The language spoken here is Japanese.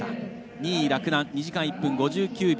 ２位、洛南で２時間１分５９秒。